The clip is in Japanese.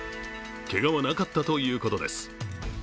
けがはなかったということです。